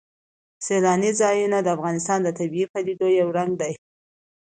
سیلانی ځایونه د افغانستان د طبیعي پدیدو یو رنګ دی.